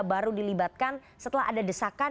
baru dilibatkan setelah ada desakan